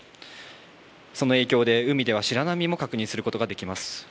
その影響で、海では白波も確認することができます。